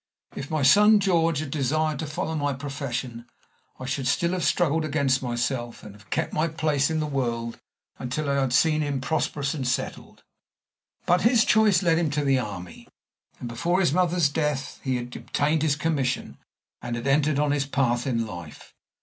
If my son George had desired to follow my profession, I should still have struggled against myself, and have kept my place in the world until I had seen h im prosperous and settled. But his choice led him to the army; and before his mother's death he had obtained his commission, and had entered on his path in life.